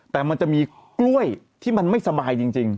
แต่มันจะมีกล้วยที่มันไม่สบายจริง